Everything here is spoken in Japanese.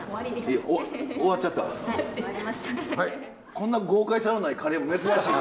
こんな豪快さのないカレーも珍しい。